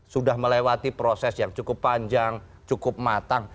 sudah melewati proses yang cukup panjang cukup matang